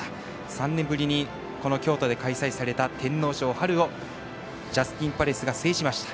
３年ぶりにこの京都で開催された天皇賞をジャスティンパレスが制しました。